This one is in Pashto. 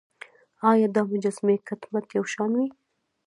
ایا دا مجسمې کټ مټ یو شان وې.